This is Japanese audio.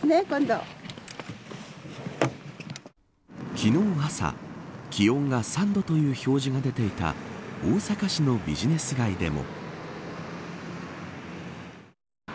昨日朝、気温が３度という表示が出ていた大阪市のビジネス街でも。